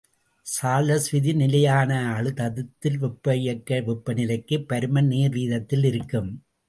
Charles விதி நிலையான அழுதத்தில் வெப்ப இயக்க வெப்பநிலைக்குப் பருமன் நேர்வீதத்தில் இருக்கும்.